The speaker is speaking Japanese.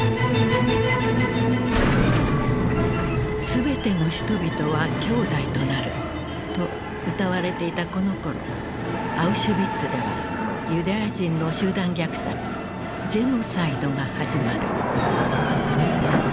「全ての人々は兄弟となる」と歌われていたこのころアウシュビッツではユダヤ人の集団虐殺「ジェノサイド」が始まる。